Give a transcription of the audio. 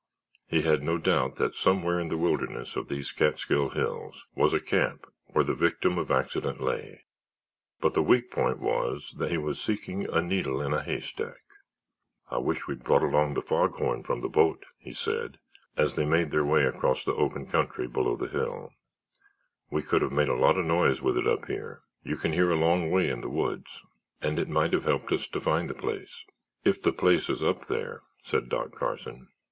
He had no doubt that somewhere in the wilderness of these Catskill hills was a camp where the victim of accident lay, but the weak point was that he was seeking a needle in a haystack. "I wish we'd brought along the fog horn from the boat," he said, as they made their way across the open country below the hill; "we could have made a lot of noise with it up there; you can hear a long way in the woods, and it might have helped us to find the place." "If the place is up there," said Doc Carson.